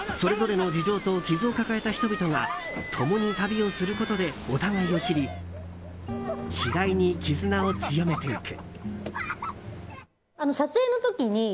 それぞれの事情と傷を抱えた人々が共に旅をすることでお互いを知り次第に絆を強めていく。